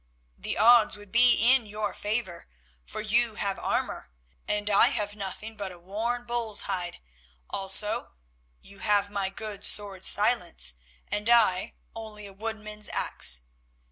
The odds would be in your favour, for you have armour and I have nothing but a worn bull's hide, also you have my good sword Silence and I only a wood man's axe.